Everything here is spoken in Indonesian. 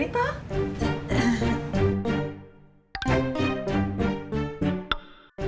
kenapa aku tak ada nisa